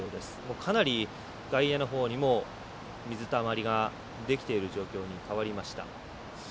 かなり、外野のほうにも水たまりができている状況に変わりました。